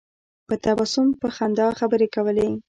په تبسم په خندا خبرې کولې.